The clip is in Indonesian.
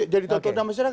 jadi tentu ada masalah